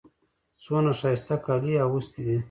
څونه ښایسته کالي يې اغوستي دي.